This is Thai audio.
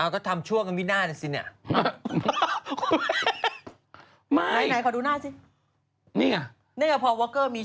ก็ทำช่วงกันวินาทีซิเนี่ย